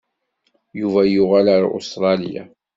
Yuba yuɣal ar Ustṛalya.